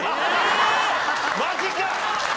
マジか！